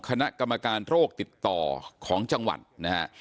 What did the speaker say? คณะกรรมการโรคติดต่อของจังหวัดนะฮะ